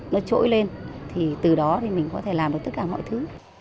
nó trỗi lên thì từ đó thì mình có thể làm được tất cả mọi thứ